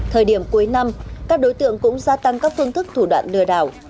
thời điểm cuối năm các đối tượng cũng gia tăng các phương thức thủ đoạn lừa đảo